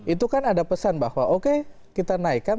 itu kan ada pesan bahwa oke kita naikkan